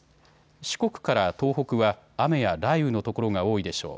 四国から東北は、雨や雷雨の所が多いでしょう。